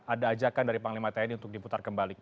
ada ajakan dari panglima tni untuk diputar kembali